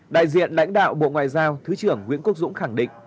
đại diện lãnh đạo bộ ngoại giao thứ trưởng nguyễn quốc dũng khẳng định